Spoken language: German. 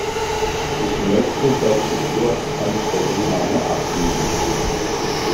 Ich möchte dazu kurz eine Stellungnahme abgeben.